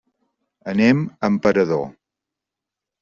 Anem a Emperador.